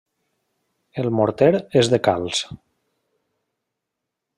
El morter és de calç.